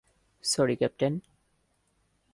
Sorry, captain.